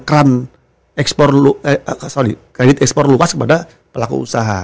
kredit ekspor luas kepada pelaku usaha